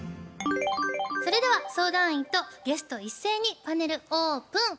それでは相談員とゲスト一斉にパネルオープン。